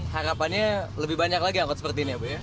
harapannya lebih banyak lagi angkot seperti ini ya bu ya